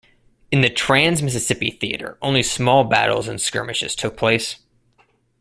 In the Trans-Mississippi Theater, only small battles and skirmishes took place.